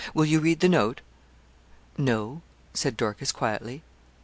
Will you read the note?' 'No,' said Dorcas, quietly.